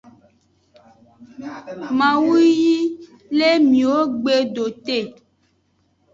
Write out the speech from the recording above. Mawu yi le miwo gbe do te.